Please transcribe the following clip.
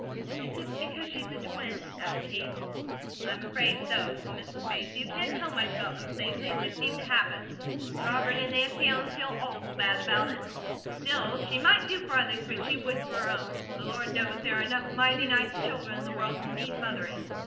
"Is it because she's a twin?" asked Kate. "I'm afraid so," said Mrs. Bates. "You can't tell much about those things, they just seem to happen. Robert and Nancy Ellen feel awful bad about it. Still, she might do for others what she would for her own. The Lord knows there are enough mighty nice children in the world who need mothering.